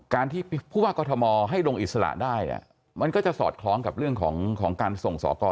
การที่ผู้ว่ากรทมให้ลงอิสระได้มันก็จะสอดคล้องกับเรื่องของการส่งสอกร